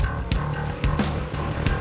kamu harus berangkat